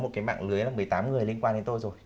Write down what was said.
một cái mạng lưới là một mươi tám người liên quan đến tôi rồi